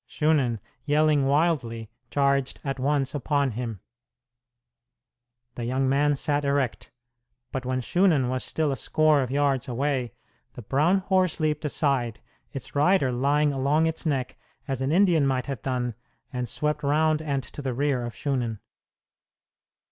Shunan, yelling, wildly, charged at once upon him. The young man sat erect; but when Shunan was still a score of yards away, the brown horse leaped aside, its rider lying along its neck as an Indian might have done, and swept round and to the rear of Shunan.